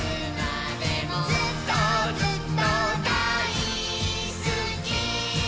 「ずっとずっとだいすき」